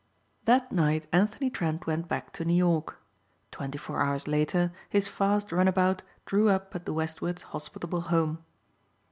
That night Anthony Trent went back to New York. Twenty four hours later his fast runabout drew up at the Westward's hospitable home.